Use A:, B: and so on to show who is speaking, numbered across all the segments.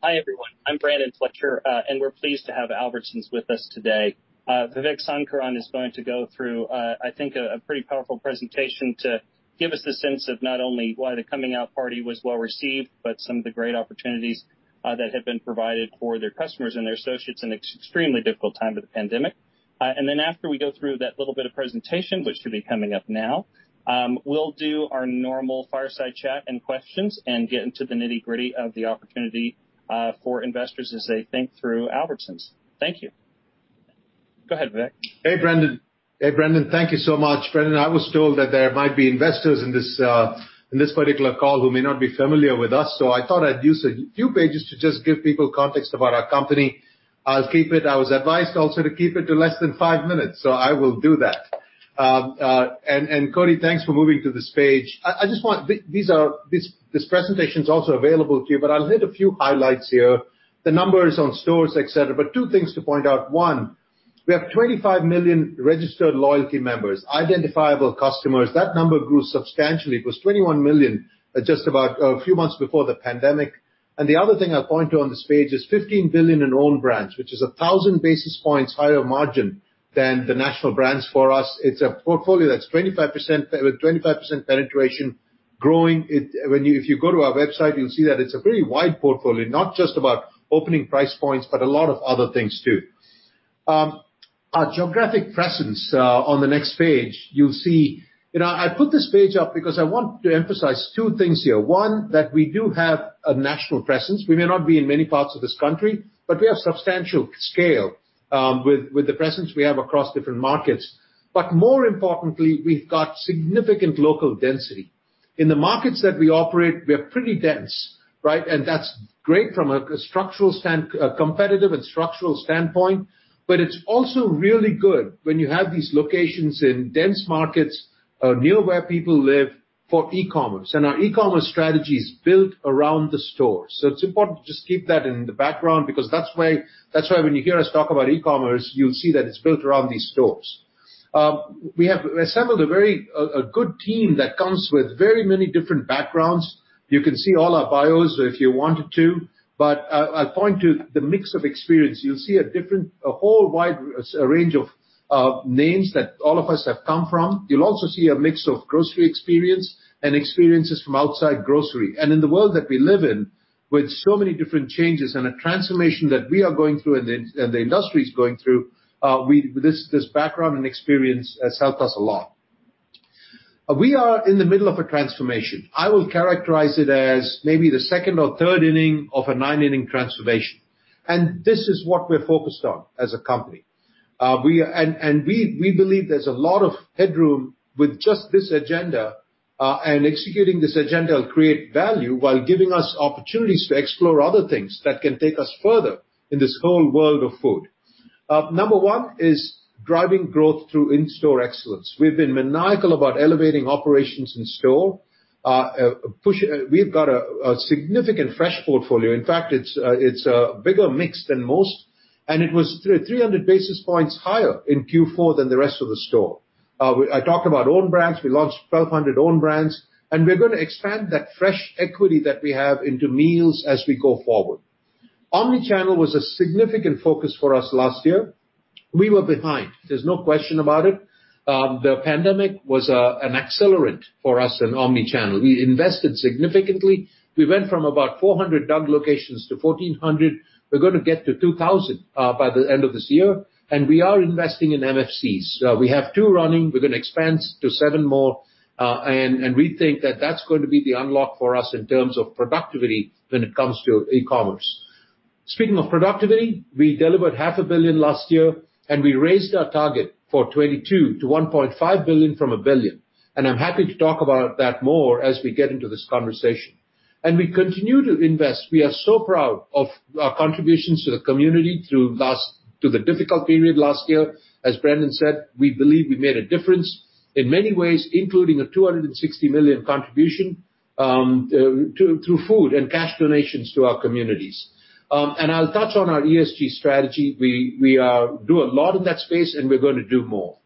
A: Hi, everyone. I'm Brandon Fletcher, and we're pleased to have Albertsons with us today. Vivek Sankaran is going to go through, I think, a pretty powerful presentation to give us a sense of not only why the coming out party was well-received, but some of the great opportunities that have been provided for their customers and their associates in an extremely difficult time of the pandemic. After we go through that little bit of presentation, which should be coming up now, we'll do our normal fireside chat and questions and get into the nitty-gritty of the opportunity for investors as they think through Albertsons. Thank you. Go ahead, Vivek.
B: Hey, Brandon. Thank you so much. Brandon, I was told that there might be investors in this particular call who may not be familiar with us, so I thought I'd use a few pages to just give people context about our company. I was advised also to keep it to less than five minutes. I will do that. Cody, thanks for moving to this page. This presentation's also available to you, but I'll hit a few highlights here, the numbers on stores, et cetera. Two things to point out. One, we have 25 million registered loyalty members, identifiable customers. That number grew substantially. It was 21 million just about a few months before the pandemic. The other thing I'll point to on this page is $15 billion in own brands, which is 1,000 basis points higher margin than the national brands for us. It's a portfolio that's 25% penetration growing. If you go to our website, you'll see that it's a very wide portfolio, not just about opening price points, but a lot of other things too. Our geographic presence on the next page, you'll see. I put this page up because I want to emphasize two things here. One, that we do have a national presence. We may not be in many parts of this country, but we have substantial scale with the presence we have across different markets. More importantly, we've got significant local density. In the markets that we operate, we're pretty dense, right? That's great from a competitive and structural standpoint, but it's also really good when you have these locations in dense markets near where people live for e-commerce. Our e-commerce strategy is built around the store. It's important to just keep that in the background because that's why when you hear us talk about e-commerce, you'll see that it's built around these stores. We have assembled a good team that comes with very many different backgrounds. You can see all our bios if you wanted to, but I point to the mix of experience. You'll see a whole wide range of names that all of us have come from. You'll also see a mix of grocery experience and experiences from outside grocery. In the world that we live in with so many different changes and a transformation that we are going through and the industry is going through, this background and experience has helped us a lot. We are in the middle of a transformation. I would characterize it as maybe the second or third inning of a nine-inning transformation. This is what we're focused on as a company. We believe there's a lot of headroom with just this agenda, and executing this agenda will create value while giving us opportunities to explore other things that can take us further in this whole world of food. Number one is driving growth through in-store excellence. We've been maniacal about elevating operations in store. We've got a significant fresh portfolio. In fact, it's a bigger mix than most, and it was 300 basis points higher in Q4 than the rest of the store. I talked about own brands. We launched 1,200 own brands, and we're going to expand that fresh equity that we have into meals as we go forward. Omnichannel was a significant focus for us last year. We were behind, there's no question about it. The pandemic was an accelerant for us in omnichannel. We invested significantly. We went from about 400 DUG locations to 1,400. We're going to get to 2,000 by the end of this year, and we are investing in MFCs. We have two running. We're going to expand to seven more, and we think that that's going to be the unlock for us in terms of productivity when it comes to e-commerce. Speaking of productivity, we delivered 500 billion last year, and we raised our target for 2022 to $1.5 billion from $1 billion, and I'm happy to talk about that more as we get into this conversation. We continue to invest. We are so proud of our contributions to the community through the difficult period last year. As Brandon said, we believe we made a difference in many ways, including the $260 million contribution through food and cash donations to our communities. I'll touch on our ESG strategy. We do a lot in that space, and we're going to do more.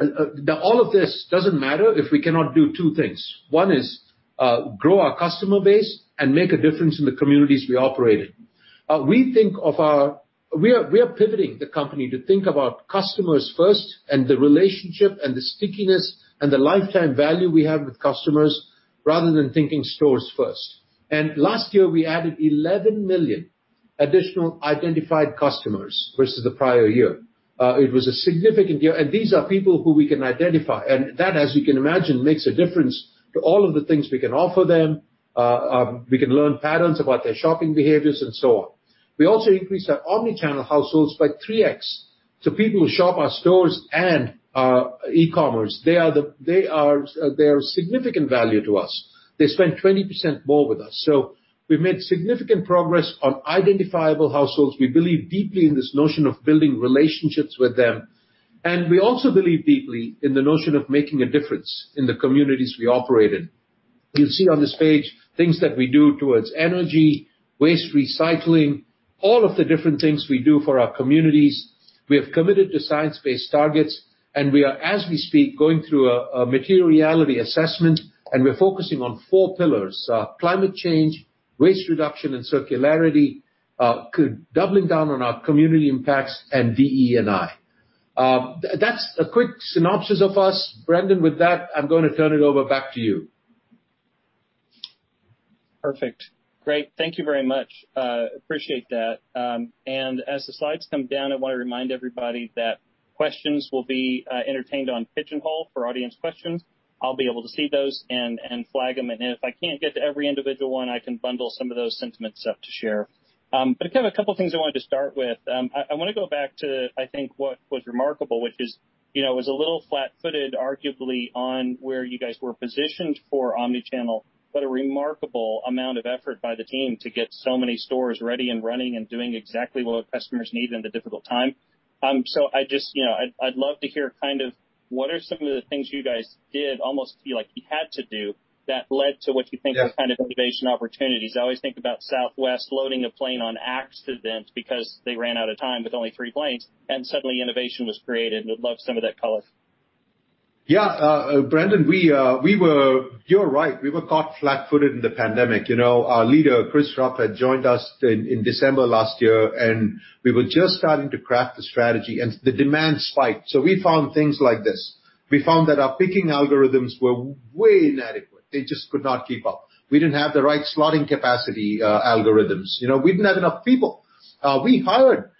B: All of this doesn't matter if we cannot do two things. One is grow our customer base and make a difference in the communities we operate in. We are pivoting the company to think about customers first and the relationship and the stickiness and the lifetime value we have with customers rather than thinking stores first. Last year, we added 11 million additional identified customers versus the prior year. It was a significant year, and these are people who we can identify, and that, as you can imagine, makes a difference to all of the things we can offer them. We can learn patterns about their shopping behaviors and so on. We also increased our omnichannel households by 3x. People who shop our stores and our e-commerce, they are a significant value to us. They spend 20% more with us. We've made significant progress on identifiable households. We believe deeply in this notion of building relationships with them, and we also believe deeply in the notion of making a difference in the communities we operate in. You'll see on this page things that we do towards energy, waste recycling. All of the different things we do for our communities. We have committed to science-based targets, and we are, as we speak, going through a materiality assessment, and we're focusing on four pillars. Climate change, waste reduction, and circularity, doubling down on our community impacts and DE&I. That's a quick synopsis of us. Brandon, with that, I'm going to turn it over back to you.
A: Perfect. Great. Thank you very much. Appreciate that. As the slides come down, I want to remind everybody that questions will be entertained on Pigeonhole for audience questions. I'll be able to see those and flag them. If I can't get to every individual one, I can bundle some of those sentiments up to share. I've got a couple of things I wanted to start with. I want to go back to, I think, what was remarkable, which is, it was a little flat-footed, arguably, on where you guys were positioned for omnichannel, but a remarkable amount of effort by the team to get so many stores ready and running and doing exactly what customers need in a difficult time. I'd love to hear what are some of the things you guys did, almost feel like you had to do, that led to what you think of innovation opportunities. I always think about Southwest loading a plane on accident because they ran out of time with only three planes, and suddenly innovation was created. Would love some of that color.
B: Yeah. Brandon, you're right. We were caught flat-footed in the pandemic. Our leader, Chris Rupp, had joined us in December last year, and we were just starting to craft the strategy, and the demand spiked. We found things like this. We found that our picking algorithms were way inadequate. They just could not keep up. We didn't have the right slotting capacity algorithms. We didn't have enough people. We hired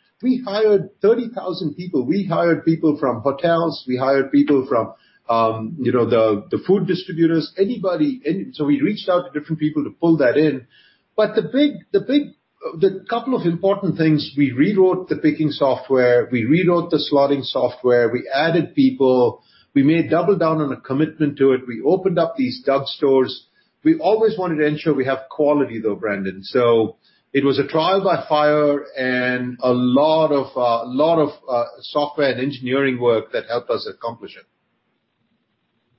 B: 30,000 people. We hired people from hotels. We hired people from the food distributors, anybody. We reached out to different people to pull that in. The couple of important things, we rewrote the picking software, we rewrote the slotting software, we added people. We made double down on a commitment to it. We opened up these Hub stores. We always wanted to ensure we have quality, though, Brandon. It was a trial by fire and a lot of software and engineering work that helped us accomplish it.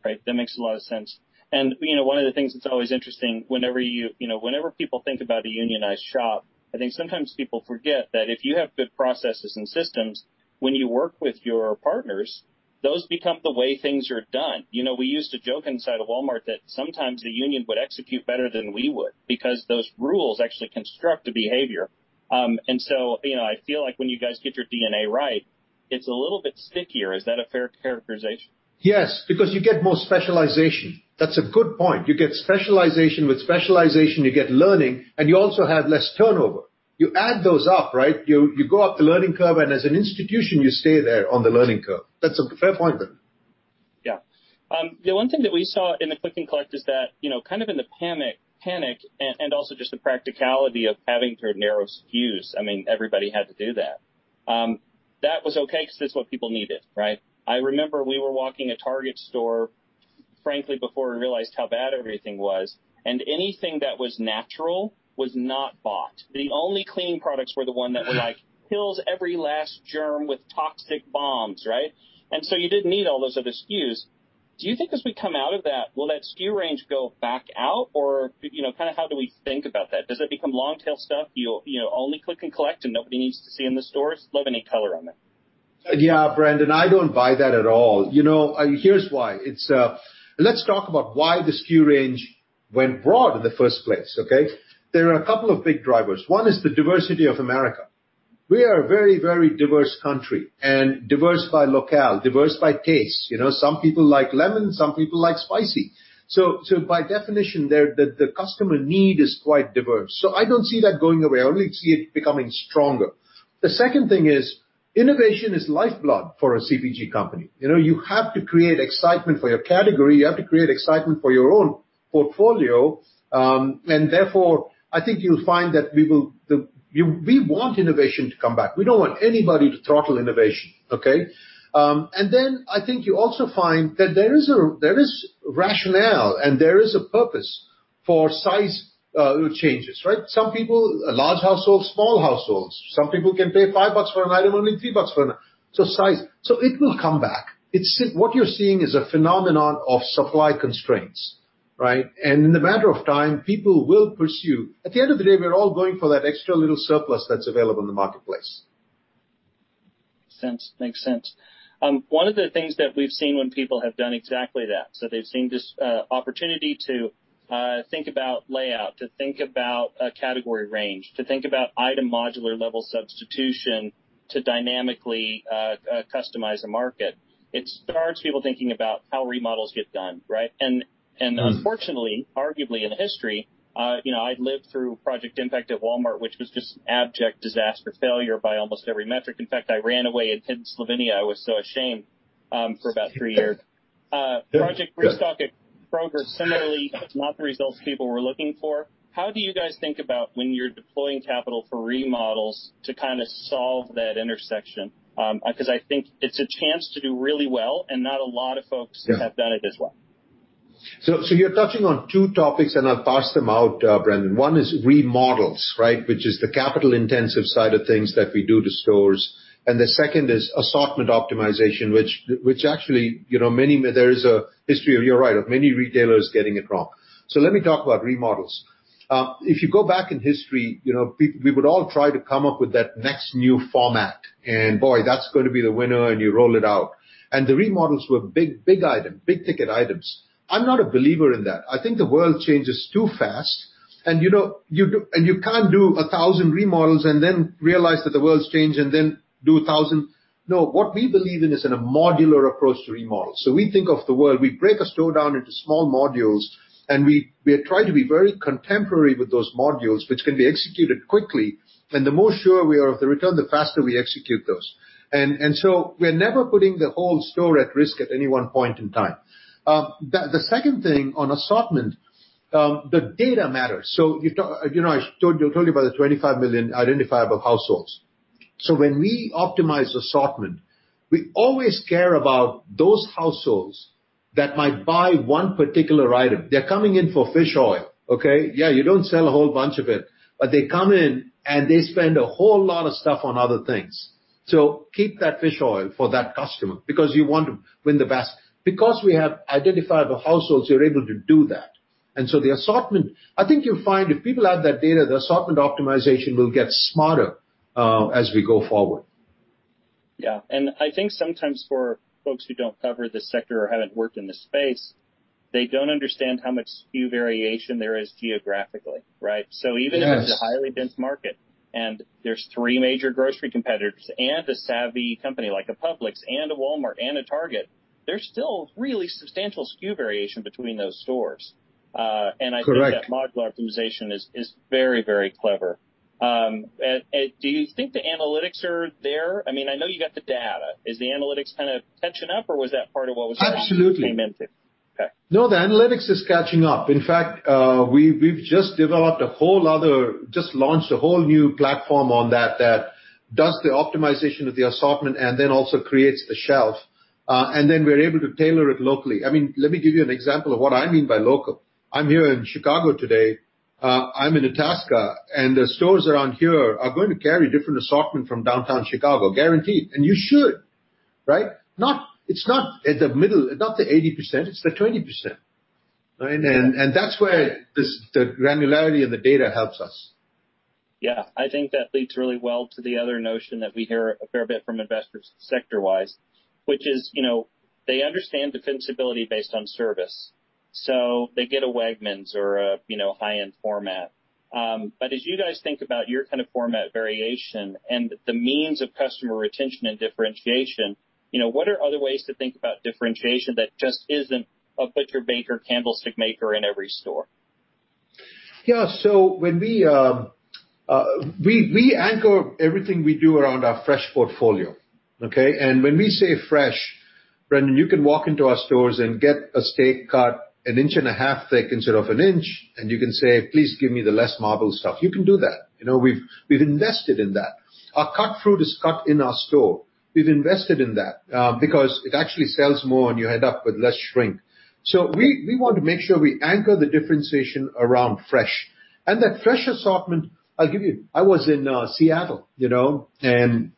A: Right. That makes a lot of sense. One of the things that's always interesting whenever people think about a unionized shop, I think sometimes people forget that if you have good processes and systems when you work with your partners, those become the way things are done. We used to joke inside of Walmart that sometimes the union would execute better than we would because those rules actually construct the behavior. I feel like when you guys get your DNA right, it's a little bit stickier. Is that a fair characterization?
B: Yes, because you get more specialization. That's a good point. You get specialization. With specialization, you get learning, and you also have less turnover. You add those up, right? You go up the learning curve, and as an institution, you stay there on the learning curve. That's a fair point, Brandon.
A: Yeah. The one thing that we saw in the click and collect is that, kind of in the panic, and also just the practicality of having very narrow SKUs, I mean, everybody had to do that. That was okay because that's what people needed, right? I remember we were walking a Target store, frankly, before we realized how bad everything was, and anything that was natural was not bought. The only cleaning products were the one that were like, "Kills every last germ with toxic bombs," right? You didn't need all those other SKUs. Do you think as we come out of that, will that SKU range go back out? How do we think about that? Does that become long tail stuff you'll only click and collect and don't need to see in the stores? Love any color on that.
B: Yeah, Brandon, I don't buy that at all. Here's why. Let's talk about why the SKU range went broad in the first place, okay? There are a couple of big drivers. One is the diversity of America. We are a very diverse country, diverse by locale, diverse by taste. Some people like lemon, some people like spicy. By definition, the customer need is quite diverse. I don't see that going away. I only see it becoming stronger. The second thing is, innovation is lifeblood for a CPG company. You have to create excitement for your category. You have to create excitement for your own portfolio. Therefore, I think you'll find that we want innovation to come back. We don't want anybody to throttle innovation, okay? I think you also find that there is rationale and there is a purpose for size changes, right? Some people, a large household, small households. Some people can pay $5 for an item, only $3 for an item. Size. It will come back. What you're seeing is a phenomenon of supply constraints, right? In a matter of time, people will pursue. At the end of the day, we're all going for that extra little surplus that's available in the marketplace.
A: Makes sense. One of the things that we've seen when people have done exactly that, so they've seen this opportunity to think about layout, to think about a category range, to think about item modular level substitution to dynamically customize a market. It sparks people thinking about how remodels get done, right? Unfortunately, arguably in history, I lived through Project Impact at Walmart, which was just an abject disaster failure by almost every metric. In fact, I ran away and hid in Slovenia, I was so ashamed, for about three years.
B: Yeah.
A: Project Reset program, similarly, it's not the results people were looking for. How do you guys think about when you're deploying capital for remodels to kind of solve that intersection? Because I think it's a chance to do really well, and not a lot of folks have done it this way.
B: You're touching on two topics, and I'll parse them out, Brandon. One is remodels, right? Which is the capital-intensive side of things that we do to stores. The second is assortment optimization, which actually, there's a history of, you're right, of many retailers getting it wrong. Let me talk about remodels. If you go back in history, we would all try to come up with that next new format, and boy, that's going to be the winner, and you roll it out. The remodels were big items, big-ticket items. I'm not a believer in that. I think the world changes too fast, and you can't do 1,000 remodels and then realize that the world's changed and then do 1,000. What we believe in is in a modular approach to remodels. We think of the world, we break a store down into small modules, and we try to be very contemporary with those modules, which can be executed quickly. The more sure we are of the return, the faster we execute those. We're never putting the whole store at risk at any one point in time. The second thing on assortment, the data matters. You talked about the 25 million identifiable households. When we optimize assortment, we always care about those households that might buy one particular item. They're coming in for fish oil. Okay. Yeah, you don't sell a whole bunch of it, but they come in and they spend a whole lot of stuff on other things. Keep that fish oil for that customer because you want to win the basket. Because we have identifiable households, we're able to do that. The assortment, I think you'll find if people have that data, the assortment optimization will get smarter as we go forward.
A: Yeah. I think sometimes for folks who don't cover the sector or haven't worked in the space, they don't understand how much SKU variation there is geographically. Right?
B: Yes.
A: Even if it's a highly dense market and there's three major grocery competitors and a savvy company like a Publix and a Walmart and a Target, there's still really substantial SKU variation between those stores.
B: Correct.
A: I think that modular optimization is very, very clever. Do you think the analytics are there? I know you got the data. Is the analytics catching up?
B: Absolutely.
A: Came into it. Okay.
B: No, the analytics is catching up. In fact, we've just developed a whole other, just launched a whole new platform on that that does the optimization of the assortment and then also creates the shelf. Then we're able to tailor it locally. Let me give you an example of what I mean by local. I'm here in Chicago today. I'm in Itasca. The stores around here are going to carry different assortment from downtown Chicago, guaranteed. You should, right? It's not the middle, it's not the 80%, it's the 20%. That's where the granularity of the data helps us.
A: Yeah. I think that leads really well to the other notion that we hear a fair bit from investors sector-wise, which is, they understand defensibility based on service. They get a Wegmans or a high-end format. As you guys think about your kind of format variation and the means of customer retention and differentiation, what are other ways to think about differentiation that just isn't a butcher, baker, candlestick maker in every store?
B: Yeah. We anchor everything we do around our fresh portfolio. Okay? When we say fresh, Brandon, you can walk into our stores and get a steak cut an inch and a half thick instead of an inch, and you can say, "Please give me the less marbled stuff." You can do that. We've invested in that. Our cut fruit is cut in our store. We've invested in that because it actually sells more, and you end up with less shrink. We want to make sure we anchor the differentiation around fresh. That fresh assortment, I'll give you, I was in Seattle, and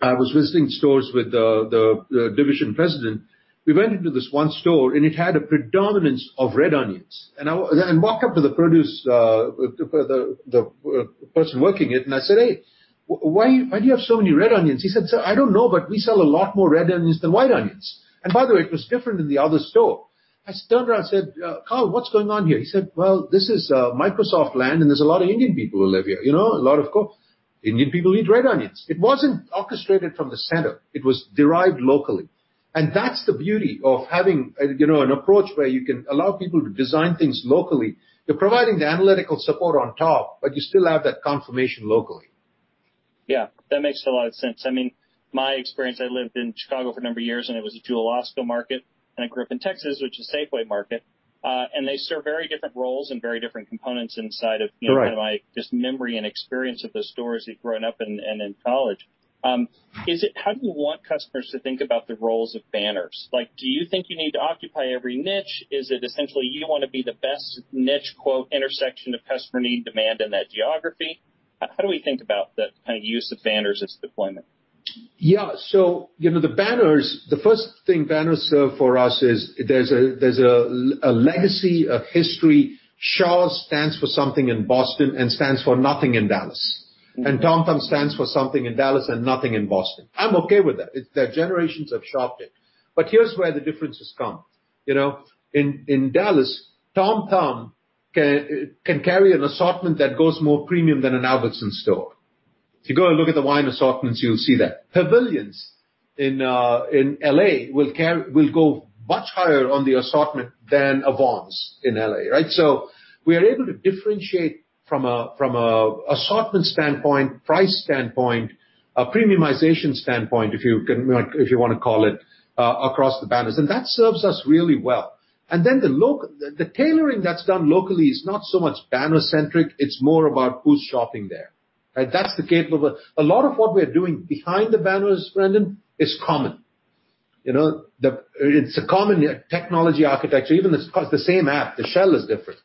B: I was visiting stores with the division president. We went into this one store, and it had a predominance of red onions. I walked up to the person working it, and I said, "Hey, why do you have so many red onions?" He said, "I don't know, but we sell a lot more red onions than white onions." By the way, it was different in the other store. I turned around and said, "Carl, what's going on here?" He said, "Well, this is Microsoft land, and there's a lot of Indian people who live here." A lot of Indian people eat red onions. It wasn't orchestrated from the center. It was derived locally. That's the beauty of having an approach where you can allow people to design things locally. You're providing the analytic support on top, but you still have that confirmation locally.
A: Yeah. That makes a lot of sense. My experience, I lived in Chicago for a number of years, and it was a Jewel-Osco market, and I grew up in Texas, which is a Safeway market. They serve very different roles and very different components.
B: Right.
A: My just memory and experience of the stores growing up and in college. How do you want customers to think about the roles of banners? Do you think you need to occupy every niche? Is it essentially you want to be the best niche, quote, intersection of customer need demand in that geography? How do we think about the use of banners as deployment?
B: The banners, the first thing banners serve for us is there's a legacy, a history. Shaw's stands for something in Boston and stands for nothing in Dallas. Tom Thumb stands for something in Dallas and nothing in Boston. I'm okay with that. Their generations have shopped it. Here's where the differences come. In Dallas, Tom Thumb can carry an assortment that goes more premium than an Albertsons store. If you go and look at the wine assortments, you'll see that. Pavilions in L.A. will go much higher on the assortment than a Vons in L.A., right? We are able to differentiate from an assortment standpoint, price standpoint, a premiumization standpoint, if you want to call it, across the banners. That serves us really well. The tailoring that's done locally is not so much banner-centric. It's more about who's shopping there. That's the capability. A lot of what we're doing behind the banners, Brandon Fletcher, is common. It's a common technology architecture. Even if it's the same app, the shell is different.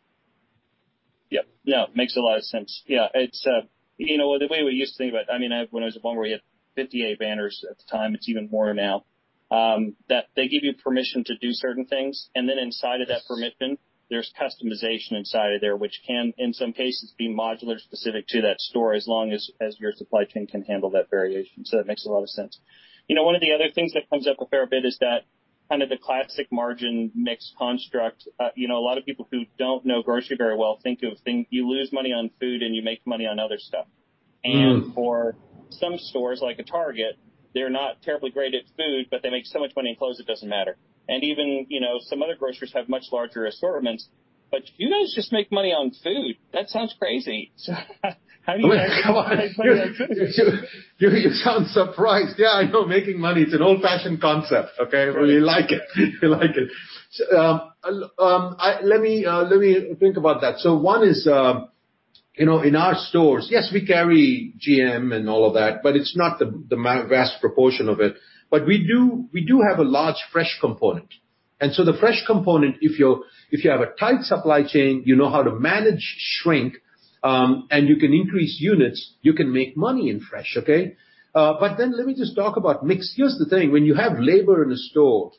A: Makes a lot of sense. The way we used to think about it, when I was at Walmart, we had 58 banners at the time. It's even more now. That they give you permission to do certain things, and then inside of that permission, there's customization inside of there, which can, in some cases, be modular specific to that store as long as your supply chain can handle that variation. That makes a lot of sense. One of the other things that comes up a fair bit is that the classic margin mix construct. A lot of people who don't know grocery very well think you lose money on food and you make money on other stuff.
B: Right.
A: For some stores, like a Target, they're not terribly great at food, but they make so much money in clothes, it doesn't matter. Even, some other groceries have much larger assortments. You guys just make money on food. That sounds crazy. How do you make money on food?
B: You sound surprised. Yeah, I know, making money. It's an old-fashioned concept. Okay.
A: Right.
B: We like it. Let me think about that. One is, in our stores, yes, we carry GM and all that, but it's not the vast proportion of it. We do have a large fresh component. The fresh component, if you have a tight supply chain, you know how to manage shrink, and you can increase units, you can make money in fresh. Okay. Let me just talk about mix. Here's the thing, when you have labor in a store.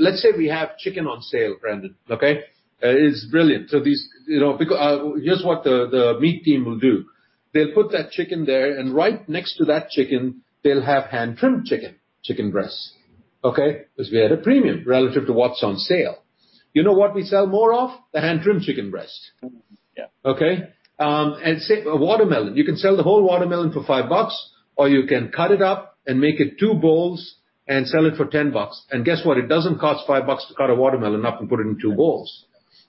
B: Let's say we have chicken on sale, Brandon, okay. It is brilliant. Here's what the meat team will do. They'll put that chicken there, and right next to that chicken, they'll have hand-trimmed chicken breast. Okay. Because they had a premium relative to what's on sale. You know what we sell more of? The hand-trimmed chicken breast.
A: Yeah.
B: Okay. Say, a watermelon. You can sell the whole watermelon for $5, or you can cut it up and make it two bowls and sell it for $10. Guess what? It doesn't cost $5 to cut a watermelon up and put it in two bowls.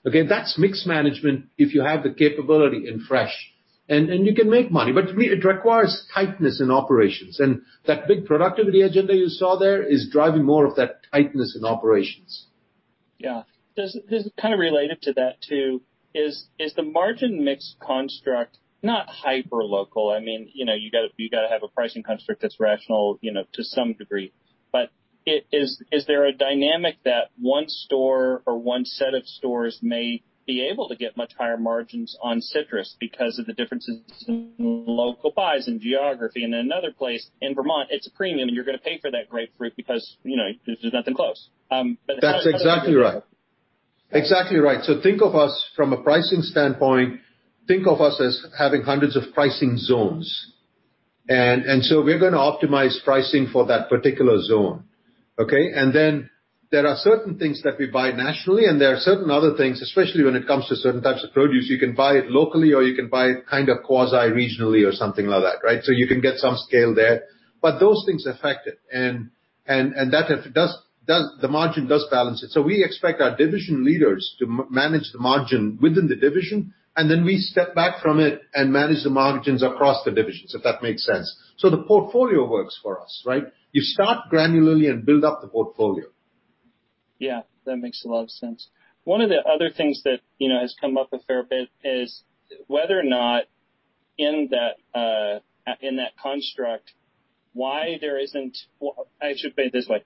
B: Okay. That's mix management if you have the capability in fresh. You can make money, but to me, it requires tightness in operations. That big productivity agenda you saw there is driving more of that tightness in operations.
A: Yeah. This is kind of related to that, too. Is the margin mix construct not hyper-local? You've got to have a pricing construct that's rational, to some degree. Is there a dynamic that one store or one set of stores may be able to get much higher margins on citrus because of the differences in local buys and geography? In another place, in Vermont, it's a premium. You're going to pay for that grapefruit because there's nothing close.
B: That's exactly right. Exactly right. Think of us from a pricing standpoint, think of us as having 100 of pricing zones. We're going to optimize pricing for that particular zone. Okay? There are certain things that we buy nationally, and there are certain other things, especially when it comes to certain types of produce, you can buy it locally, or you can buy it kind of quasi-regionally or something like that. Right? You can get some scale there. Those things affect it. The margin does balance it. We expect our division leaders to manage the margin within the division, and then we step back from it and manage the margins across the divisions, if that makes sense. The portfolio works for us, right? You start granularly and build up the portfolio.
A: Yeah, that makes a lot of sense. One of the other things that has come up a fair bit is whether or not in that construct, I should put it this way.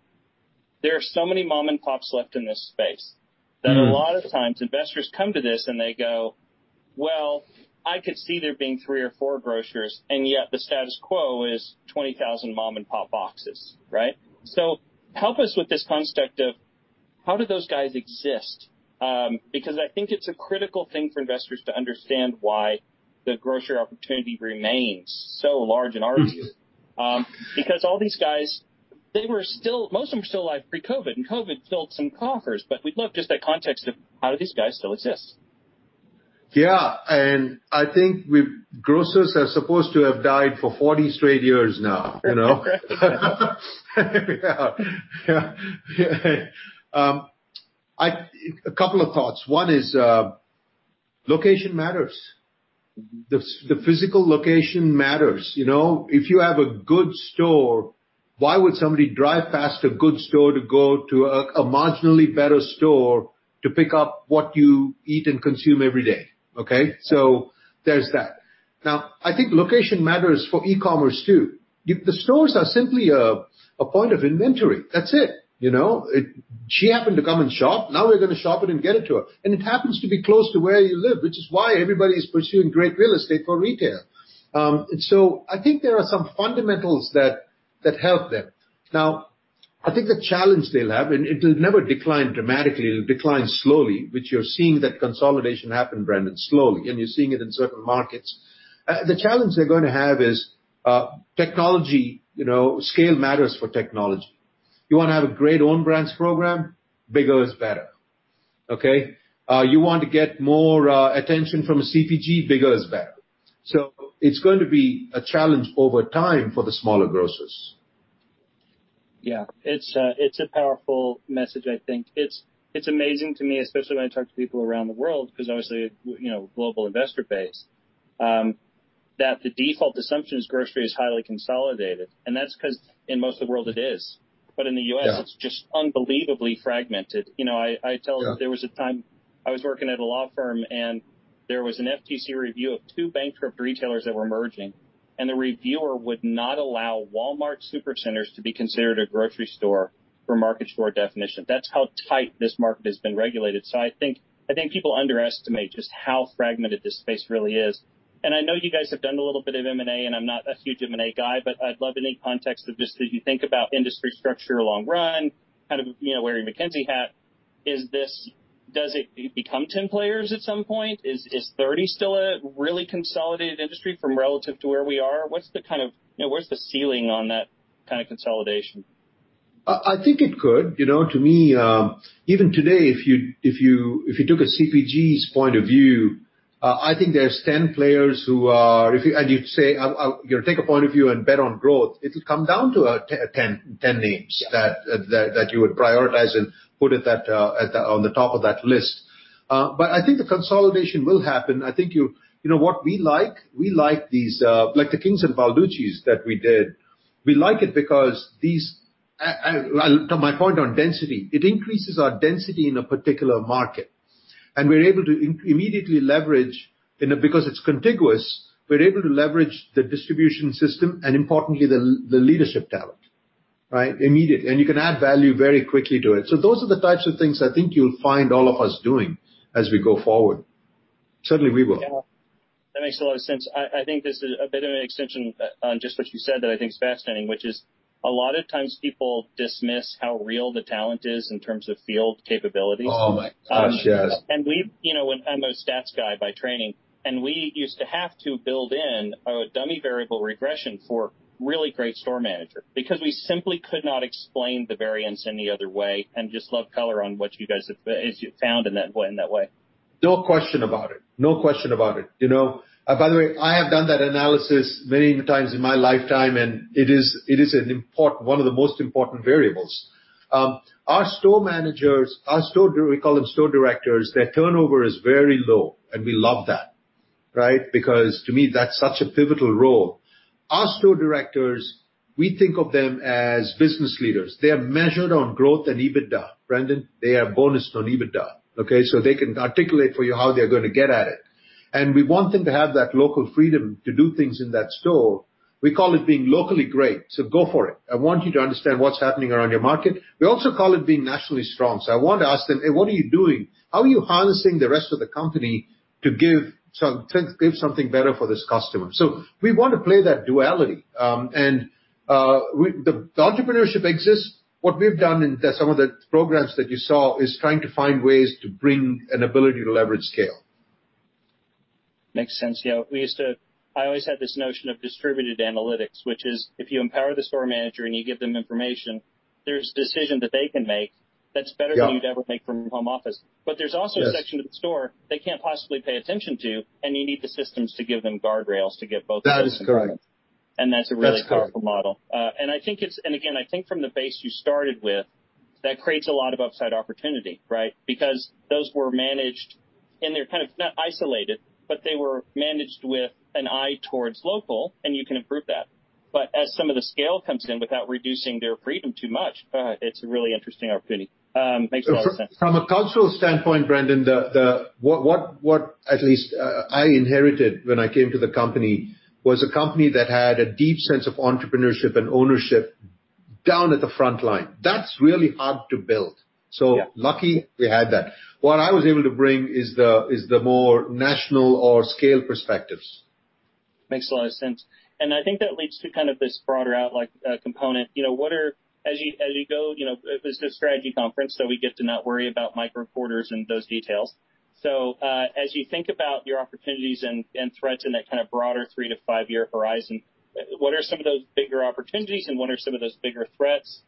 A: There are so many mom-and-pops left in this space. A lot of times investors come to this and they go, "Well, I could see there being three or four grocers," yet the status quo is 20,000 mom-and-pop boxes. Right? Help us with this concept of how do those guys exist? I think it's a critical thing for investors to understand why the grocer opportunity remains so large and arduous.
B: Yeah.
A: All these guys, most of them are still alive pre-COVID, and COVID killed some coffers, but we'd love just that context of how do these guys still exist?
B: Yeah. I think grocers are supposed to have died for 40 straight years now.
A: Okay.
B: A couple of thoughts. One is location matters. The physical location matters. If you have a good store, why would somebody drive past a good store to go to a marginally better store to pick up what you eat and consume every day? Okay? There's that. Now, I think location matters for e-commerce, too. The stores are simply a point of inventory. That's it. She happened to come and shop, now we've got to shop it and get it to her. It happens to be close to where you live, which is why everybody's pursuing great real estate for retail. I think there are some fundamentals that help them. Now, I think the challenge they'll have, and it'll never decline dramatically, it'll decline slowly, which you're seeing that consolidation happen, Brandon, slowly, and you're seeing it in certain markets. The challenge they're going to have is technology. Scale matters for technology. You want to have a great own brands program, bigger is better. Okay? You want to get more attention from a CPG, bigger is better. It's going to be a challenge over time for the smaller grocers.
A: Yeah. It's a powerful message, I think. It's amazing to me, especially when I talk to people around the world, because obviously, global investor base, that the default assumption is grocery is highly consolidated. That's because in most of the world it is. In the U.S.
B: Yeah.
A: It's just unbelievably fragmented.
B: Yeah.
A: There was a time I was working at a law firm, there was an FTC review of two bankrupt retailers that were merging, the reviewer would not allow Walmart Supercenters to be considered a grocery store for market share definition. That's how tight this market has been regulated. I think people underestimate just how fragmented this space really is. I know you guys have done a little bit of M&A, I'm not a huge M&A guy, but I'd love any context of just as you think about industry structure long run, wearing your McKinsey hat, does it become 10 players at some point? Is 30 still a really consolidated industry from relative to where we are? Where's the ceiling on that kind of consolidation?
B: I think it could. To me, even today, if you took a CPG point of view, I think there's 10 players who if you take a point of view and bet on growth, it'll come down to 10 names that you would prioritize and put on the top of that list. I think the consolidation will happen. You know what we like? We like these, like the Kings and Balducci's that we did. We like it because to my point on density, it increases our density in a particular market, and we're able to immediately leverage, because it's contiguous, we're able to leverage the distribution system and importantly, the leadership talent, right, immediate. You can add value very quickly to it. Those are the types of things I think you'll find all of us doing as we go forward. Certainly, we will.
A: Yeah. That makes a lot of sense. I think this is a bit of an extension on just what you said that I think is fascinating, which is a lot of times people dismiss how real the talent is in terms of field capabilities.
B: Oh my gosh, yes.
A: I'm a stats guy by training, and we used to have to build in a dummy variable regression for really great store manager because we simply could not explain the variance any other way. Just love color on what you guys have found in that way.
B: No question about it. No question about it. By the way, I have done that analysis many times in my lifetime, and it is one of the most important variables. Our store managers, we call them store directors, their turnover is very low, and we love that, right? To me, that's such a pivotal role. Our store directors, we think of them as business leaders. They are measured on growth and EBITDA, Brandon. They are bonused on EBITDA, okay? They can articulate for you how they're going to get at it. We want them to have that local freedom to do things in that store. We call it being locally great. Go for it. I want you to understand what's happening around your market. We also call it being nationally strong. I want to ask them, "Hey, what are you doing? How are you harnessing the rest of the company to give something better for this customer? We want to play that duality. The entrepreneurship exists. What we've done in some of the programs that you saw is trying to find ways to bring an ability to leverage scale.
A: Makes sense. I always had this notion of distributed analytics, which is if you empower the store manager and you give them information, there's a decision that they can make that's better than you'd ever make from home office. There's also stuff in the store they can't possibly pay attention to, and you need the systems to give them guardrails to give both.
B: That's right.
A: That's a really powerful model. Again, I think from the base you started with, that creates a lot of upside opportunity, right? Those were managed and they're kind of isolated, but they were managed with an eye towards local, and you can improve that. As some of the scale comes in without reducing their freedom too much, it's a really interesting opportunity. Makes a lot of sense.
B: From a cultural standpoint, Brandon, what at least I inherited when I came to the company was a company that had a deep sense of entrepreneurship and ownership down at the front line. That's really hard to build.
A: Yeah.
B: Lucky we had that. What I was able to bring is the more national or scale perspectives.
A: Makes a lot of sense. I think that leads to kind of this broader out component. This is a strategy conference, so we get to not worry about micro quarters and those details. As you think about your opportunities and threats in that kind of broader three to five-year horizon, what are some of those bigger opportunities and what are some of those bigger threats?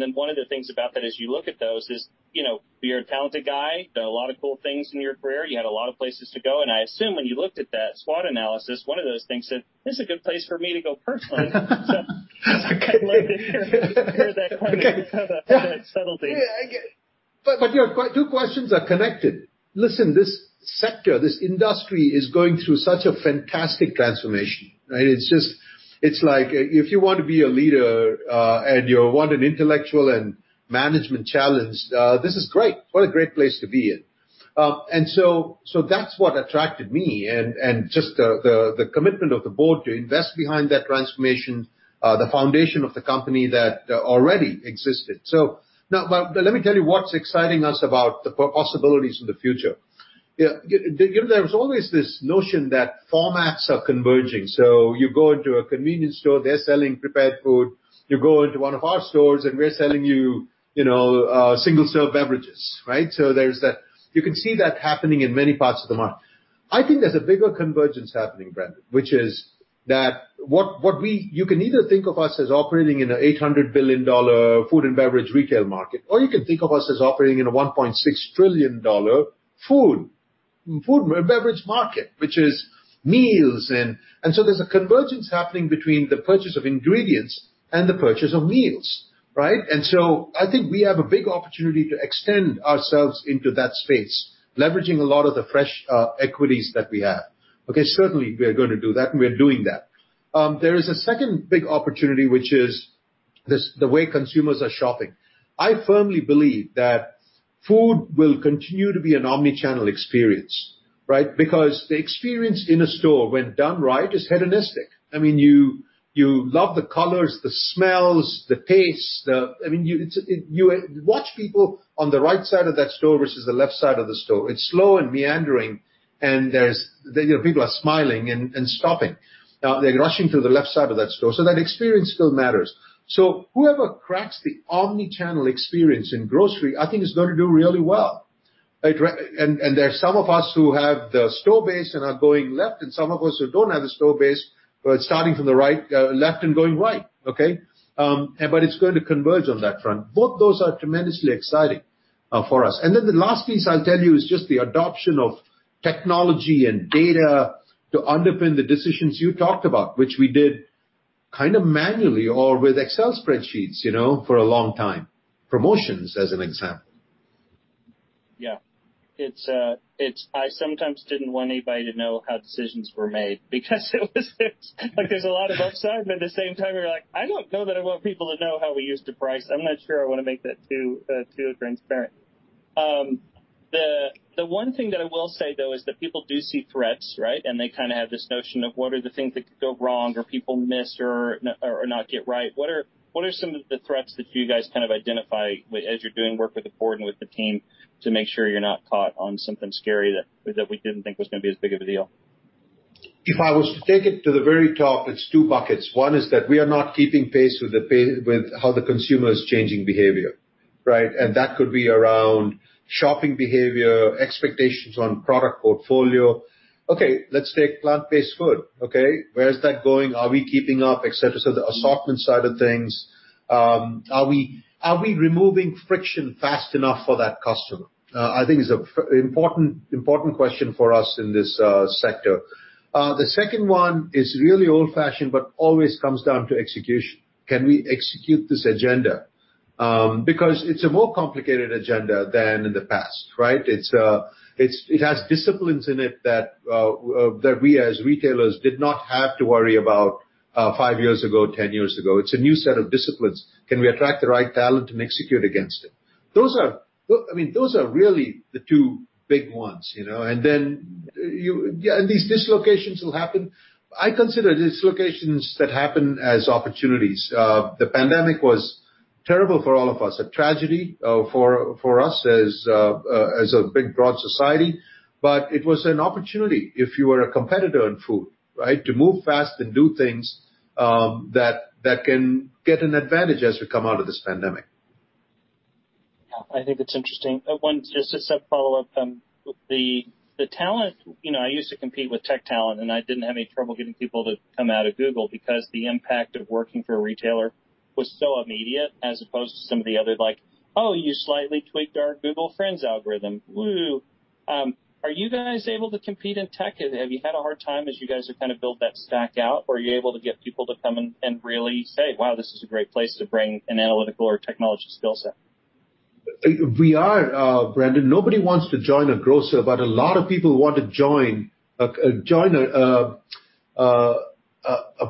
A: Then one of the things about that as you look at those is, you're a talented guy, there are a lot of cool things in your career. You had a lot of places to go, and I assume when you looked at that SWOT analysis, one of those things said, "This is a good place for me to go personally." I'd love to hear that subtlety.
B: Yeah. Your two questions are connected. Listen, this sector, this industry is going through such a fantastic transformation. It's like if you want to be a leader, and you want an intellectual and management challenge, this is great. What a great place to be in. That's what attracted me and just the commitment of the board to invest behind that transformation, the foundation of the company that already existed. Now, let me tell you what's exciting us about the possibilities for the future. There's always this notion that formats are converging. You go into a convenience store, they're selling prepared food. You go into one of our stores, and we're selling you single-serve beverages, right? You can see that happening in many parts of the world. I think there's a bigger convergence happening, Brandon, which is that you can either think of us as operating in an $800 billion food and beverage retail market, or you can think of us as operating in a $1.6 trillion food and beverage market, which is meals. There's a convergence happening between the purchase of ingredients and the purchase of meals, right? I think we have a big opportunity to extend ourselves into that space, leveraging a lot of the fresh equities that we have. Okay, certainly, we are going to do that, and we are doing that. There is a second big opportunity, which is the way consumers are shopping. I firmly believe food will continue to be an omni-channel experience, right? The experience in a store when done right, is hedonistic. You love the colors, the smells, the tastes. You watch people on the right side of that store versus the left side of the store. It's slow and meandering, and people are smiling and stopping. Now, they're rushing to the left side of that store. That experience still matters. Whoever cracks the omni-channel experience in grocery, I think is going to do really well. Right? There are some of us who have the store base and are going left, and some of us who don't have the store base, but starting from the left and going right. Okay? It's going to converge on that front. Both those are tremendously exciting for us. The last piece I'll tell you is just the adoption of technology and data to underpin the decisions you talked about, which we did kind of manually or with Excel spreadsheets for a long time, promotions, as an example.
A: Yeah. I sometimes didn't want anybody to know how decisions were made because there's a lot of upside, but at the same time, you're like, "I don't know that I want people to know how we used to price. I'm not sure I want to make that too transparent." The one thing that I will say, though, is that people do see threats, right? They kind of have this notion of what are the things that could go wrong or people miss or not get right. What are some of the threats that you guys kind of identify as you're doing work with the board and with the team to make sure you're not caught on something scary that we didn't think was going to be as big of a deal?
B: If I was to take it to the very top, it's two buckets. One is that we are not keeping pace with how the consumer is changing behavior. Right? That could be around shopping behavior, expectations on product portfolio. Okay, let's take plant-based food. Okay? Where's that going? Are we keeping up? Et cetera. The assortment side of things. Are we removing friction fast enough for that customer? I think it's an important question for us in this sector. The second one is really old fashioned, but always comes down to execution. Can we execute this agenda? Because it's a more complicated agenda than in the past, right? It has disciplines in it that we as retailers did not have to worry about five years ago, 10 years ago. It's a new set of disciplines. Can we attract the right talent and execute against it? Those are really the two big ones. These dislocations will happen. I consider dislocations that happen as opportunities. The pandemic was terrible for all of us, a tragedy, for us as a big, broad society. It was an opportunity if you were a competitor in food, right? To move fast and do things that can get an advantage as we come out of this pandemic.
A: I think it's interesting. Just a follow-up. The talent, I used to compete with tech talent, and I didn't have any trouble getting people to come out of Google because the impact of working for a retailer was so immediate as opposed to some of the other, like, "Oh, you slightly tweaked our Google Trends algorithm. Woohoo." Are you guys able to compete in tech? Have you had a hard time as you guys have kind of built that stack out? Were you able to get people to come and really say, "Wow, this is a great place to bring an analytical or technology skill set?
B: We are, Brandon. Nobody wants to join a grocer, but a lot of people want to join a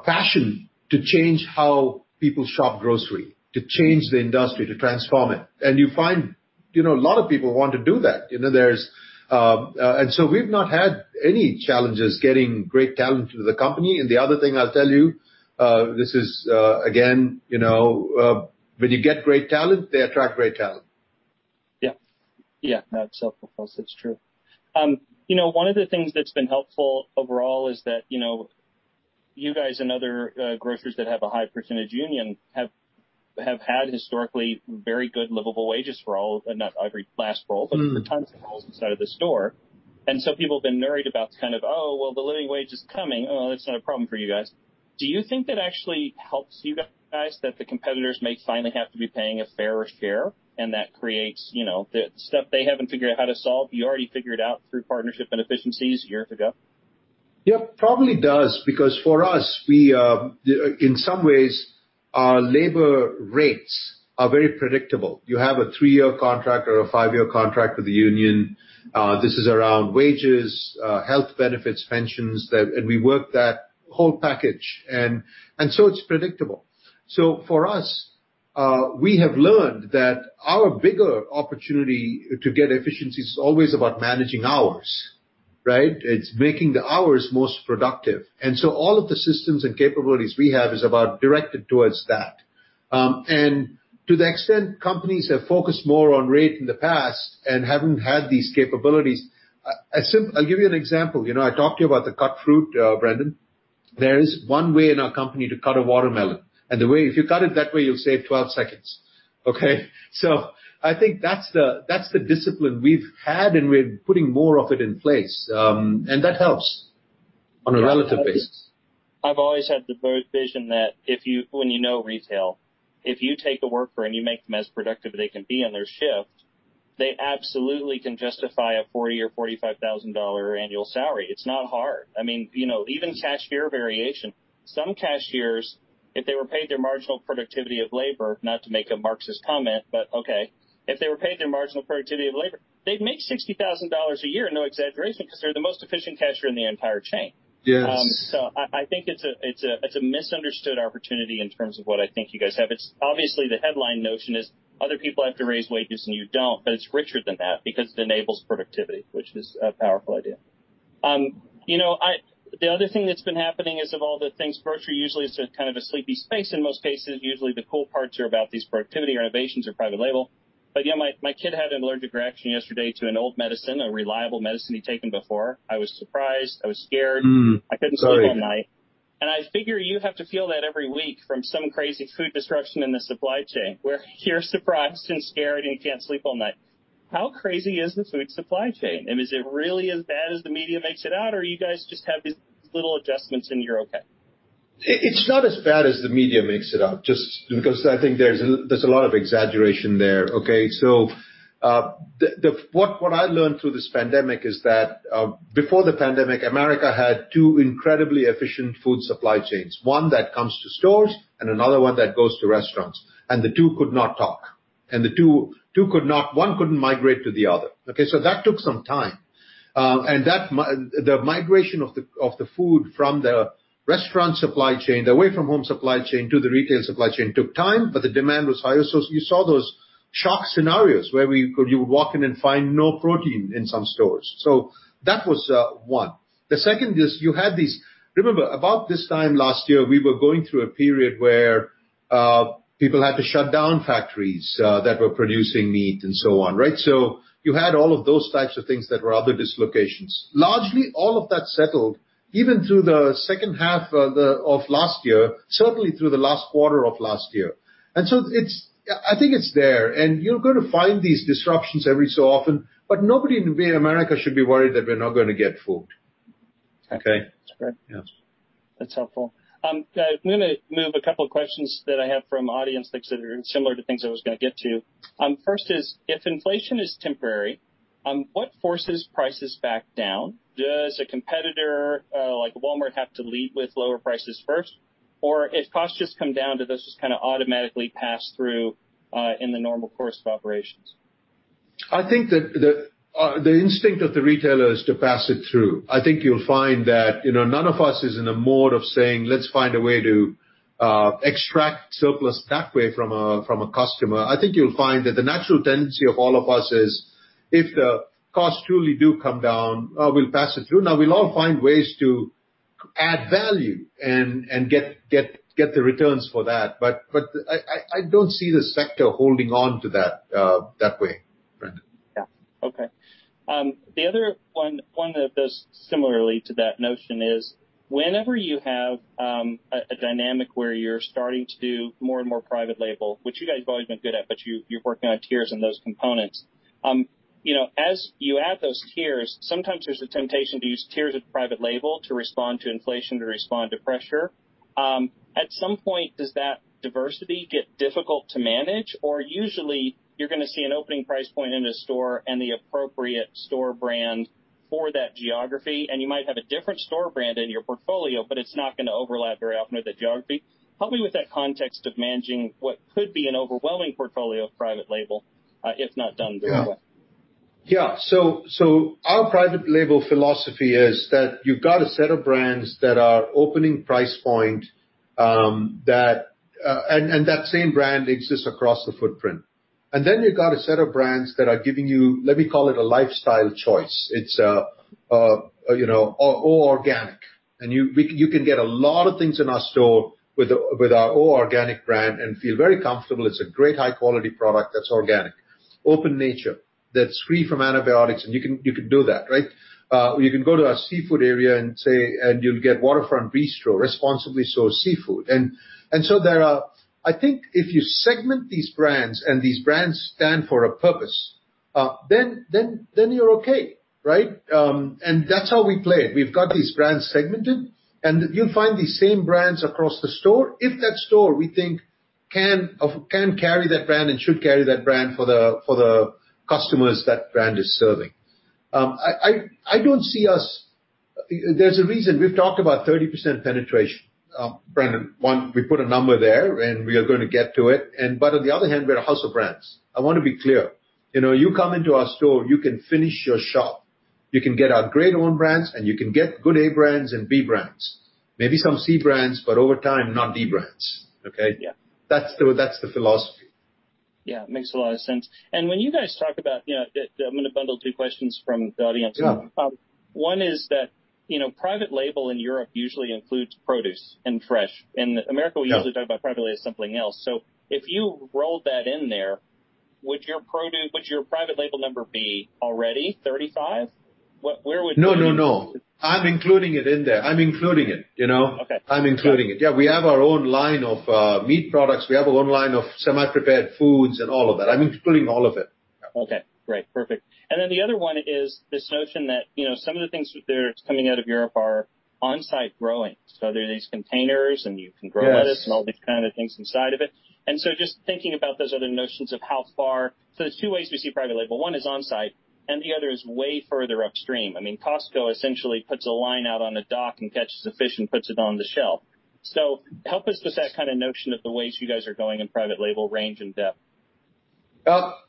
B: passion to change how people shop grocery, to change the industry, to transform it. You find a lot of people want to do that. We've not had any challenges getting great talent into the company. The other thing I'll tell you, this is, again, when you get great talent, they attract great talent.
A: Yeah. That's self-propels. That's true. One of the things that's been helpful overall is that you guys and other grocers that have a high percentage union have had historically very good livable wages for all, not every class role, but for tons of roles inside of the store. People have been worried about kind of, "Oh, well, the living wage is coming." Well, that's not a problem for you guys. Do you think that actually helps you guys, that the competitors may finally have to be paying a fairer share, and that creates the stuff they haven't figured out how to solve, you already figured out through partnership and efficiencies a year ago?
B: Yeah, probably does, because for us, in some ways, our labor rates are very predictable. You have a three-year contract or a five-year contract with the union. This is around wages, health benefits, pensions, and we work that whole package. It's predictable. For us, we have learned that our bigger opportunity to get efficiency is always about managing hours, right? It's making the hours most productive. All of the systems and capabilities we have is about directed towards that. To the extent companies have focused more on rate in the past and haven't had these capabilities. I'll give you an example. I talked to you about the cut fruit, Brandon. There is one way in our company to cut a watermelon, and if you cut it that way, you'll save 12 seconds, okay? I think that's the discipline we've had, and we're putting more of it in place. That helps on a relative basis.
A: I've always had the vision that when you know retail, if you take a worker and you make them as productive as they can be on their shift, they absolutely can justify a $40,000 or $45,000 annual salary. It's not hard. Even cashier variation. Some cashiers, if they were paid their marginal productivity of labor, not to make a Marxist comment, but okay, if they were paid their marginal productivity of labor, they'd make $60,000 a year, no exaggeration, because they're the most efficient cashier in the entire chain.
B: Yes.
A: I think it's a misunderstood opportunity in terms of what I think you guys have. It's obviously the headline notion is other people have to raise wages and you don't, but it's richer than that because it enables productivity, which is a powerful idea. The other thing that's been happening is of all the things, grocery usually is a kind of a sleepy space. In most cases, usually the cool parts are about these productivity innovations or private label. Yeah, my kid had an allergic reaction yesterday to an old medicine, a reliable medicine he'd taken before. I was surprised, I was scared.
B: Right.
A: I couldn't sleep all night. I figure you have to feel that every week from some crazy food disruption in the supply chain, where you're surprised and scared and you can't sleep all night. How crazy is the food supply chain? Is it really as bad as the media makes it out, or you guys just have these little adjustments and you're okay?
B: It's not as bad as the media makes it out, just because I think there's a lot of exaggeration there, okay? What I learned through this pandemic is that before the pandemic, America had two incredibly efficient food supply chains, one that comes to stores and another one that goes to restaurants, and the two could not talk. One couldn't migrate to the other. Okay? That took some time. The migration of the food from the restaurant supply chain, the away from home supply chain to the retail supply chain took time, but the demand was high. You saw those shock scenarios where you would walk in and find no protein in some stores. That was one. The second is. Remember, about this time last year, we were going through a period where people had to shut down factories that were producing meat and so on, right? You had all of those types of things that were other dislocations. Largely, all of that settled even through the second half of last year, certainly through the last quarter of last year. I think it's there, and you're going to find these disruptions every so often, but nobody in America should be worried that they're not going to get food. Okay?
A: That's great.
B: Yeah.
A: That's helpful. I have a couple of questions that I have from audience that are similar to things I was going to get to. First is, if inflation is temporary, what forces prices back down? Does a competitor like Walmart have to lead with lower prices first? If costs just come down, does this just kind of automatically pass through in the normal course of operations?
B: I think that the instinct of the retailer is to pass it through. I think you'll find that none of us is in a mode of saying, "Let's find a way to extract surplus that way from a customer." I think you'll find that the natural tendency of all of us is if the costs truly do come down, we'll pass it through. Now, we'll all find ways to add value and get the returns for that. I don't see the sector holding on to that way, Brandon.
A: Yeah. Okay. The other one that is similarly to that notion is whenever you have a dynamic where you're starting to do more and more private label, which you guys have always been good at, but you're working on tiers and those components. As you add those tiers, sometimes there's a temptation to use tiers of private label to respond to inflation, to respond to pressure. At some point, does that diversity get difficult to manage? Or usually, you're going to see an opening price point in the store and the appropriate store brand for that geography, and you might have a different store brand in your portfolio, but it's not going to overlap very often with the geography. Help me with that context of managing what could be an overwhelming portfolio of private label, if not done the right way.
B: Yeah. Our private label philosophy is that you've got a set of brands that are opening price point, and that same brand exists across the footprint. Then you've got a set of brands that are giving you, let me call it a lifestyle choice. It's O Organics. You can get a lot of things in our store with our O Organics brand and feel very comfortable. It's a great high-quality product that's organic. Open Nature, that's free from antibiotics, and you can do that, right? You can go to our seafood area and you'll get Waterfront Bistro, responsibly sourced seafood. I think if you segment these brands and these brands stand for a purpose, then you're okay, right? That's how we play it. We've got these brands segmented, and you'll find these same brands across the store if that store, we think can carry that brand and should carry that brand for the customers that brand is serving. There's a reason we've talked about 30% penetration, Brandon. One, we put a number there, and we are going to get to it. On the other hand, we're a house of brands. I want to be clear. You come into our store, you can finish your shop. You can get our Grade One brands, and you can get good A brands and B brands. Maybe some C brands, but over time, not D brands, okay?
A: Yeah.
B: That's the philosophy.
A: Yeah. Makes a lot of sense. When you guys talk about, I'm going to bundle two questions from the audience.
B: Yeah.
A: One is that private label in Europe usually includes produce and fresh.
B: Yeah.
A: America usually talk about private label as something else. If you rolled that in there, would your private label number be already 35?
B: No. I'm including it in there. I'm including it.
A: Okay.
B: I'm including it. Yeah, we have our own line of meat products. We have our own line of semi-prepared foods and all of that. I'm including all of it.
A: Okay. Great. Perfect. Then the other one is this notion that some of the things that are coming out of Europe are on-site growing. They're these containers, and you can grow lettuce.
B: Yes.
A: All these kind of things inside of it. Just thinking about those other notions of how far. There's two ways to do private label. One is on-site, and the other is way further upstream. Costco essentially puts a line out on a dock and catches a fish and puts it on the shelf. Help us with that kind of notion of the ways you guys are going in private label range and depth.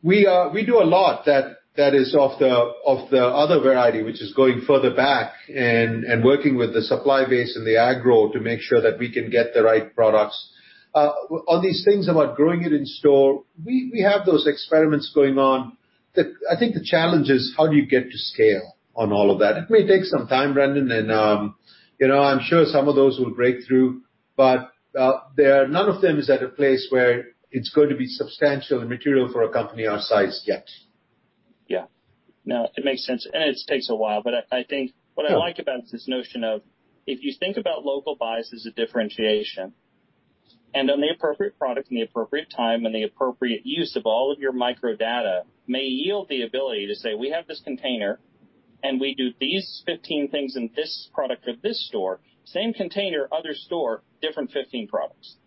B: We do a lot that is of the other variety, which is going further back and working with the supply base and the agro to make sure that we can get the right products. On these things about growing it in store, we have those experiments going on. I think the challenge is how do you get to scale on all of that? It may take some time, Brandon, and I'm sure some of those will break through, but none of them is at a place where it's going to be substantial and material for a company our size yet.
A: Yeah. No, it makes sense. It takes a while, but I think what I like about it is this notion of if you think about local buys as a differentiation, and then the appropriate product in the appropriate time and the appropriate use of all of your microdata may yield the ability to say, "We have this container, and we do these 15 things in this product at this store, same container, other store, different 15 products."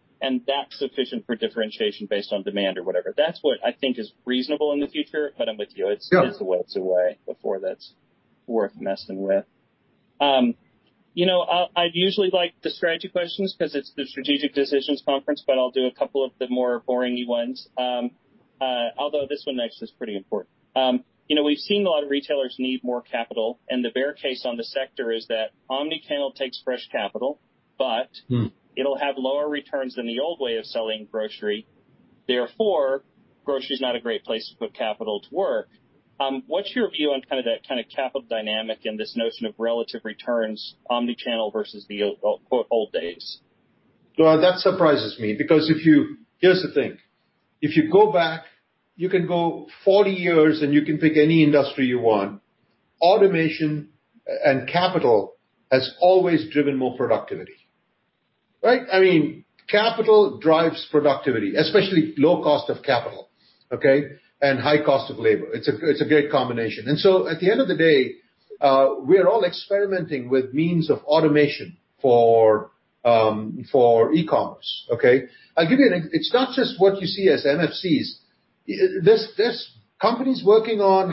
A: That's sufficient for differentiation based on demand or whatever. That's what I think is reasonable in the future, but I'm with you.
B: Yeah.
A: It's a ways away before that's worth messing with. I usually like the strategy questions because it's the Strategic Decisions Conference, but I'll do a couple of the more boring ones. Although this one next is pretty important. We've seen a lot of retailers need more capital, and the bear case on the sector is that omnichannel takes fresh capital, but it'll have lower returns than the old way of selling grocery. Therefore, grocery is not a great place to put capital to work. What's your view on that kind of capital dynamic and this notion of relative returns omnichannel versus the old days?
B: That surprises me because here's the thing. If you go back, you can go 40 years, and you can pick any industry you want. Automation and capital has always driven more productivity, right? Capital drives productivity, especially low cost of capital, okay, and high cost of labor. It's a great combination. At the end of the day, we are all experimenting with means of automation for e-commerce, okay? Again, it's not just what you see as MFCs. There's companies working on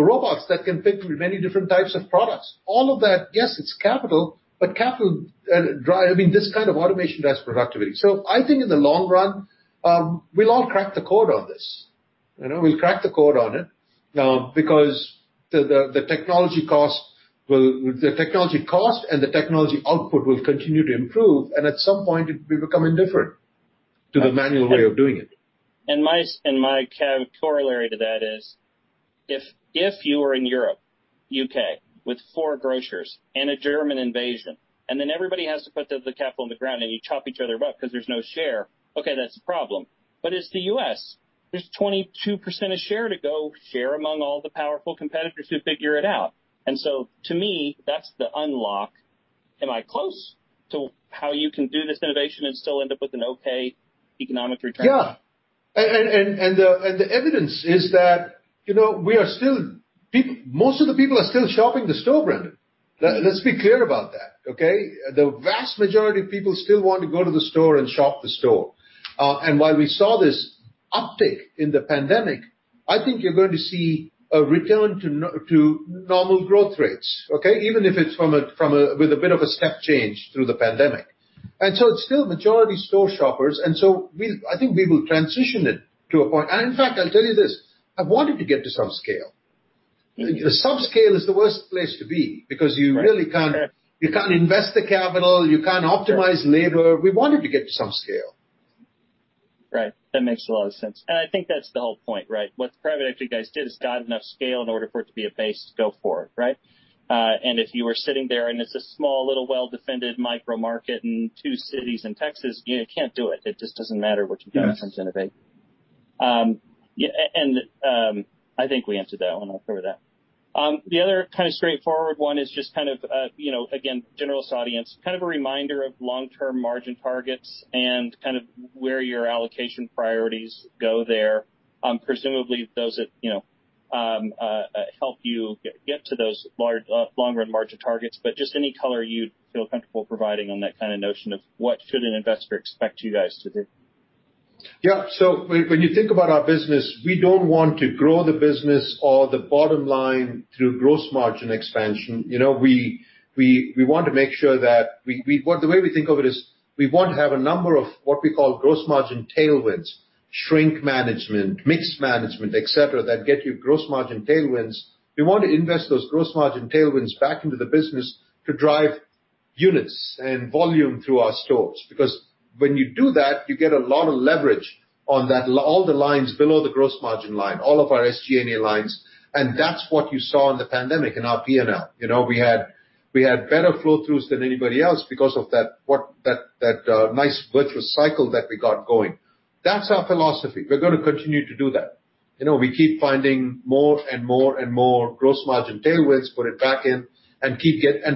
B: robots that can pick many different types of products. All of that, yes, it's capital, but this kind of automation drives productivity. I think in the long run, we'll all crack the code on this. We crack the code on it because the technology cost and the technology output will continue to improve, and at some point, it will become indifferent to the manual way of doing it.
A: My corollary to that is if you were in Europe, U.K., with four grocers and a German invasion, Everybody has to put the capital in the ground and you chop each other up because there's no share. Okay, that's a problem. It's the U.S., there's 22% of share to go share among all the powerful competitors who figure it out. To me, that's the unlock. Am I close to how you can do this innovation and still end up with an okay economic return?
B: Yeah. The evidence is that most of the people are still shopping the store, Brandon. Let's be clear about that, okay? The vast majority of people still want to go to the store and shop the store. While we saw this uptick in the pandemic, I think you're going to see a return to normal growth rates, okay? Even if it's with a bit of a step change through the pandemic. It's still majority store shoppers, and so I think we will transition it to a point. In fact, I'll tell you this. I want it to get to some scale. The sub-scale is the worst place to be because you really can't invest the capital, you can't optimize labor. We want it to get to some scale.
A: Right. That makes a lot of sense. I think that's the whole point, right? What's credited to you guys is got enough scale in order for it to be a base to go forward, right? If you were sitting there and it's a small, little well-defended micro-market in two cities in Texas, you can't do it. It just doesn't matter what you can innovate.
B: Yes.
A: I think we answered that one. I'll throw to that. The other kind of straightforward one is just kind of, again, generalist audience, kind of a reminder of long-term margin targets and kind of where your allocation priorities go there. Presumably, those that help you get to those longer margin targets. Just any color you'd feel comfortable providing on that kind of notion of what should an investor expect you guys to do?
B: Yeah. When you think about our business, we don't want to grow the business or the bottom line through gross margin expansion. The way we think of it is we want to have a number of what we call gross margin tailwinds, shrink management, mix management, et cetera, that get you gross margin tailwinds. We want to invest those gross margin tailwinds back into the business to drive units and volume through our stores. When you do that, you get a lot of leverage on all the lines below the gross margin line, all of our SG&A lines, and that's what you saw in the pandemic in our P&L. We had better flow-throughs than anybody else because of that nice virtuous cycle that we got going. That's our philosophy. We're going to continue to do that. We keep finding more and more and more gross margin tailwinds, put it back in.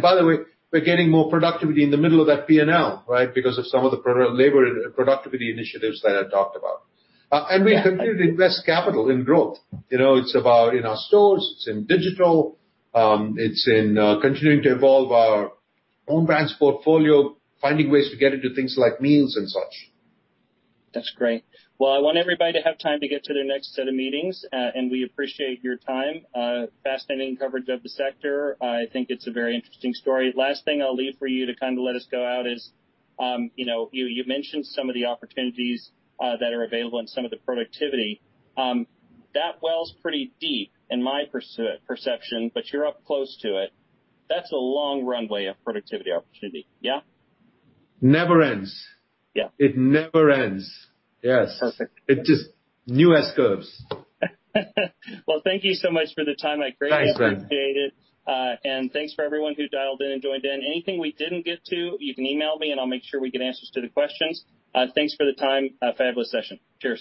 B: By the way, we're getting more productivity in the middle of that P&L, right? Because of some of the labor and productivity initiatives that I talked about. We continue to invest capital in growth. It's about in our stores, it's in digital, it's in continuing to evolve our own brands portfolio, finding ways to get into things like meals and such.
A: That's great. Well, I want everybody to have time to get to their next set of meetings. We appreciate your time. Fascinating coverage of the sector. I think it's a very interesting story. Last thing I'll leave for you to kind of let us go out is, you mentioned some of the opportunities that are available and some of the productivity. That well's pretty deep in my perception, but you're up close to it. That's a long runway of productivity opportunity. Yeah?
B: Never ends.
A: Yeah.
B: It never ends. Yes.
A: Perfect.
B: It's just newest curves.
A: Well, thank you so much for the time. I greatly appreciate it.
B: Thanks, Brandon.
A: Thanks for everyone who dialed in and joined in. Anything we didn't get to, you can email me, and I'll make sure we get answers to the questions. Thanks for the time. Fabulous session. Cheers.